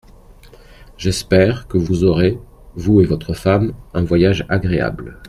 J’espère que vous aurez, vous et votre femme, un voyage agréable.